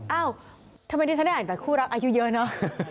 เอ้าทำไมตัวฉันได้ไหมเป็นคู่รักอายุเยอะเนอะ